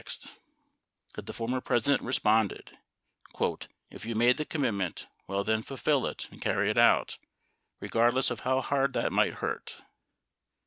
736 that the former President responded : "If you made the commitment, well then, fulfill it and carry it out, regardless of how hard that it might hurt."